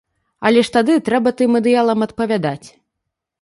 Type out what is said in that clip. Але ж тады трэба тым ідэалам адпавядаць.